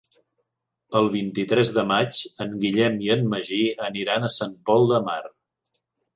El vint-i-tres de maig en Guillem i en Magí aniran a Sant Pol de Mar.